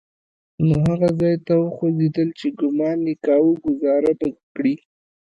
نو هغه ځای ته وخوځېدل چې ګومان يې کاوه ګوزاره به وکړي.